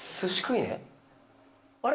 あれ？